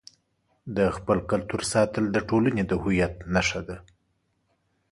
د خپل کلتور ساتل د ټولنې د هویت نښه ده.